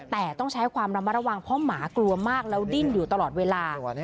แต่ต้องใช้ความระมัดระวังเพราะหมากลัวมากแล้วดิ้นอยู่ตลอดเวลา